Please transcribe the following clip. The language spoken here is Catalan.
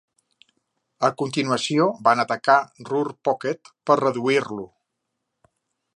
A continuació, van atacar Ruhr Pocket per reduir-lo.